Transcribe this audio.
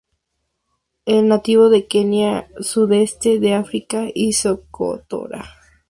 Es nativo de Kenia, sudeste de África y Socotora.